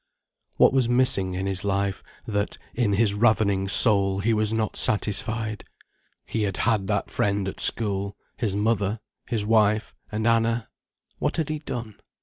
What was missing in his life, that, in his ravening soul, he was not satisfied? He had had that friend at school, his mother, his wife, and Anna? What had he done?